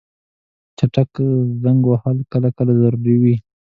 چټک زنګ وهل کله کله ضروري وي.